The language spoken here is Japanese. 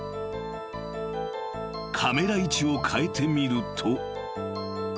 ［カメラ位置を変えてみると］